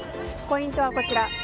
ポイントはこちら。